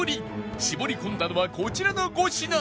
絞り込んだのはこちらの５品